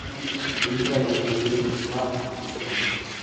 imvura yaguye kuva mugitondo